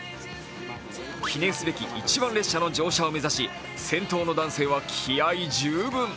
記念すべき一番列車の乗車を目指し先頭の男性は気合い十分。